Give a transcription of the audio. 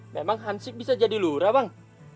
memang hansik bisa jadi lura bang